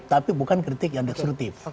tapi bukan kritik yang destruktif